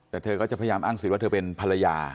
แต่เธอก็จะพยายามอ้างสิทธิว่าเธอเป็นภรรยา